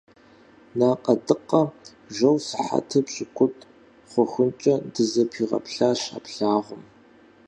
Накъэдыкъэ жоу сыхьэтыр пщыкӏут хъухункӏэ дызэпигъэплъащ а плъагъум.